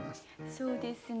そうですね